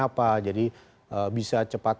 apa jadi bisa cepat